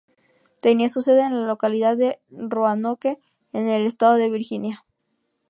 Tenía su sede en la localidad de Roanoke, en el estado de Virginia.